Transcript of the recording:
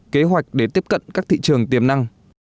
kế hoạch để tiếp cận các thị trường tiềm năng